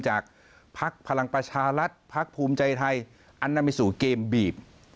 พักพลังประชารัฐพักภูมิใจไทยอันนำไปสู่เกมบีบ